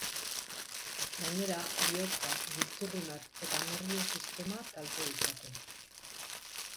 Gainera, bihotza, giltzurrunak eta nerbio-sistema kalte ditzake.